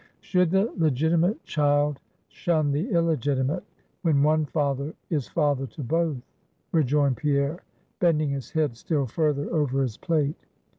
"Should the legitimate child shun the illegitimate, when one father is father to both?" rejoined Pierre, bending his head still further over his plate.